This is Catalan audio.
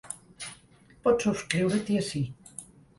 Pots subscriure-t’hi ací.